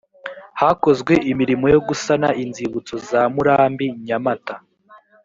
hakozwe imirimo yo gusana inzibutso za murambi nyamata